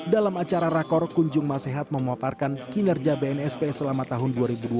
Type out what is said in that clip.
dalam acara rakor kunjung masehat memaparkan kinerja bnsp selama tahun dua ribu dua puluh